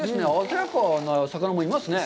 鮮やかな魚もいますね。